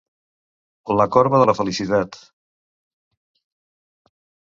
La corba de la felicitat.